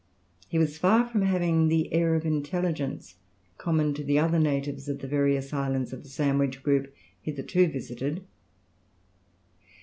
He was far from having the air of intelligence common to the other natives of the various islands of the Sandwich group hitherto visited.